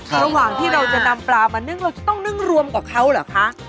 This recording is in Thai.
ระหว่างที่เราจะนำปลามานึ่งเราจะต้องนึ่งรวมกับเขาเหรอคะ